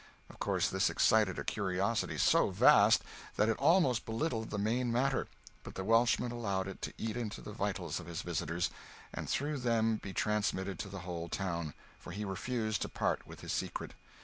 Of course this excited a curiosity so vast that it almost belittled the main matter—but the Welshman allowed it to eat into the vitals of his visitors, and through them be transmitted to the whole town, for he refused to part with his secret.